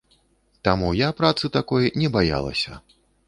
Таму я працы такой не баялася.